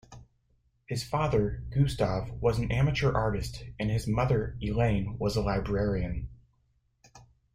His father, Gustave, was an amateur artist and his mother, Elaine, was a librarian.